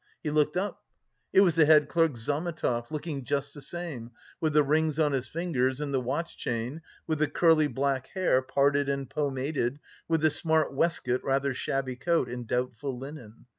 He looked up, it was the head clerk Zametov, looking just the same, with the rings on his fingers and the watch chain, with the curly, black hair, parted and pomaded, with the smart waistcoat, rather shabby coat and doubtful linen.